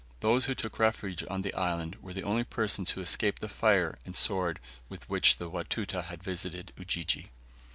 Those who took refuge on the island were the only persons who escaped the fire and sword with which the Watuta had visited Ujiji.